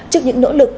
trước những nỗ lực